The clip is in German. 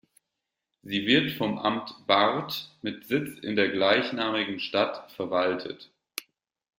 Sie wird vom Amt Barth mit Sitz in der gleichnamigen Stadt verwaltet.